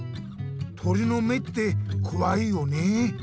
鳥の目ってこわいよね。